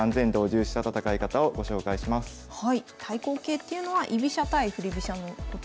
対抗形っていうのは居飛車対振り飛車のことですか？